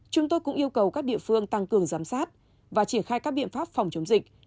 chúng tôi cũng yêu cầu các địa phương tăng cường giám sát và triển khai các biện pháp phòng chống dịch